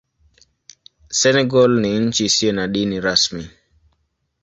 Senegal ni nchi isiyo na dini rasmi.